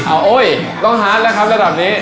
เอาโอ๊ยต้องฮาร์ดแล้วครับระดับนี้